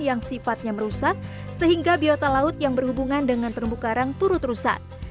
yang sifatnya merusak sehingga biota laut yang berhubungan dengan terumbu karang turut rusak